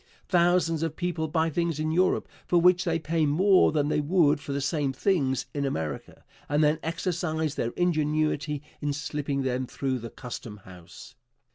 Thousands of people buy things in Europe for which they pay more than they would for the same things in America, and then exercise their ingenuity in slipping them through the custom house.